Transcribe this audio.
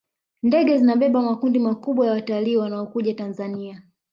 ndege zinabeba makundi makubwa ya watalii wanaokuja tanzania